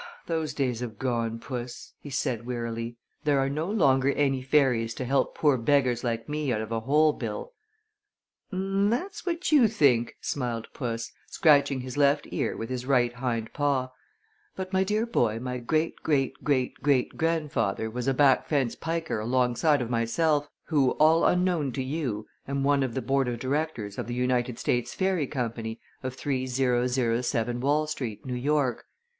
"Those days have gone, Puss," he said, wearily. "There are no longer any fairies to help poor beggars like me out of a hole, Bill " "That's what you think," smiled puss, scratching his left ear with his right hind paw; "but, my dear boy, my great great great great grandfather was a back fence piker alongside of myself, who, all unknown to you, am one of the board of directors of the United States Fairy Company, of 3007 Wall Street, New York.